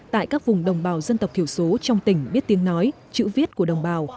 tại các vùng đồng bào dân tộc thiểu số trong tỉnh biết tiếng nói chữ viết của đồng bào